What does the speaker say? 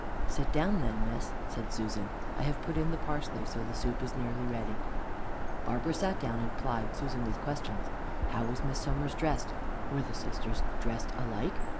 "Sit down then, miss," said Susan, "I have put in the parsley, so the soup is nearly ready." Barbara sat down and plied Susan with questions. How was Miss Somers dressed? Were the sisters dressed alike?